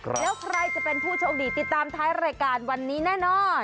แล้วใครจะเป็นผู้โชคดีติดตามท้ายรายการวันนี้แน่นอน